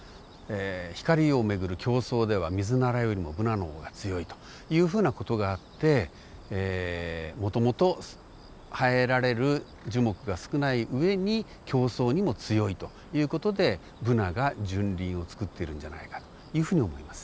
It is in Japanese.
光を巡る競争ではミズナラよりもブナの方が強いというふうな事があってもともと生えられる樹木が少ない上に競争にも強いという事でブナが純林を作っているんじゃないかというふうに思います。